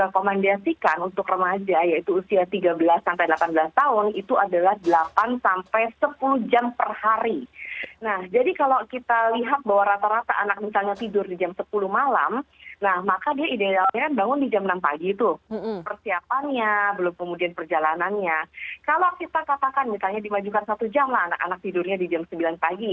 kalau kita katakan misalnya dimajukan satu jam lah anak anak tidurnya di jam sembilan pagi